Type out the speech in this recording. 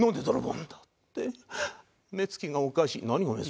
何が目付きがおかしい。